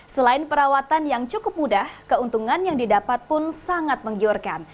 selain perawatan yang cukup mudah keuntungan yang didapat pun sangat menggiurkan